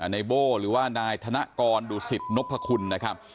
ในโบ้หรือว่านายธนกรดุสิตนพคุณนะครับ